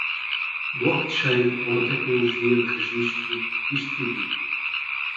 Blockchain é uma tecnologia de registro distribuído.